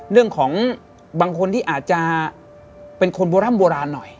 เรื่องของบางคนที่อาจจะเป็นคนโบร่ำโบราณหน่อย